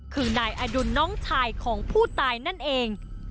คือนายอดุลน้องชายของผู้ตายนั่นเอง